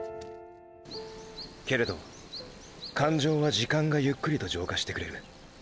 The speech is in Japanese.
けれど感情は時間がゆっくりと浄化してくれる。